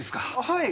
はい。